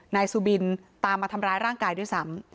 นายสุบินตามมาทำร้ายร่างกายด้วยซ้ำ